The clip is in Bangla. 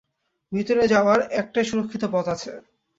ভিতরে যাওয়ার একটাই সুরক্ষিত পথ আছে।